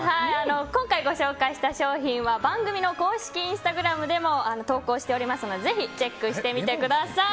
今回、ご紹介した商品は番組の公式インスタグラムでも投稿しておりますのでぜひチェックしてみてください。